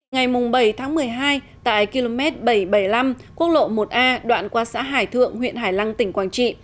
ngày bảy tháng một mươi hai tại km bảy trăm bảy mươi năm quốc lộ một a đoạn qua xã hải thượng huyện hải lăng tỉnh quảng trị